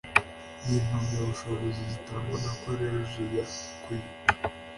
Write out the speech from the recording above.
n impamyabushobozi zitangwa na Koleji ya kuyu